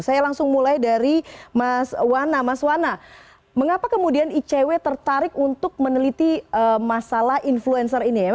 saya langsung mulai dari mas wana mas wana mengapa kemudian icw tertarik untuk meneliti masalah influencer ini ya